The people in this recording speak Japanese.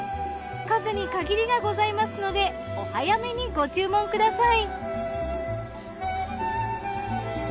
数に限りがございますのでお早めにご注文ください。